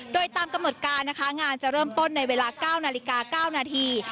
โดยตามกำหนดการนะคะงานจะเริ่มต้นในเวลา๙นาฬิกา๙นาที